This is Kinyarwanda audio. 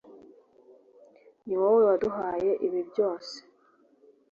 niwowe waduhaye ibi byose